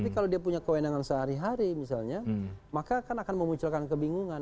kalau misalnya kewenangan sehari hari misalnya maka akan memunculkan kebingungan